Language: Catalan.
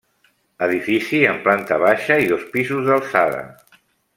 Edifici amb planta baixa i dos pisos d'alçada.